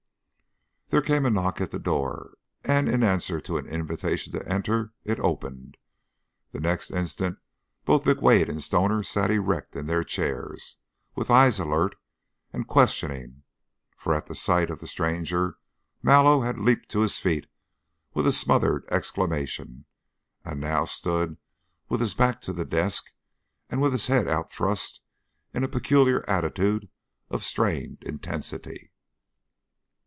There came a knock at the door, and in answer to an invitation to enter it opened. The next instant both McWade and Stoner sat erect in their chairs, with eyes alert and questioning, for at sight of the stranger Mallow had leaped to his feet with a smothered exclamation, and now stood with his back to the desk and with his head outthrust in a peculiar attitude of strained intensity.